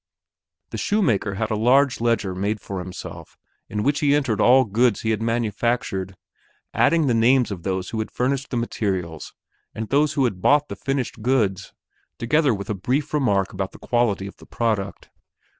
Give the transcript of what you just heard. The shoemaker had a large ledger made for himself in which he entered all goods he had manufactured, adding the names of those who had furnished the materials and of those who had bought the finished goods, together with a brief remark about the quality of the product.